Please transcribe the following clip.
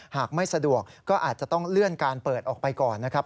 หากไม่สะดวกก็อาจจะต้องเลื่อนการเปิดออกไปก่อนนะครับ